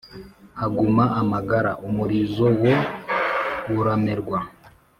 Haguma amagara umurizo wo uramerwa